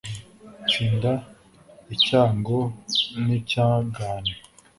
tsinda icyago n'icyagane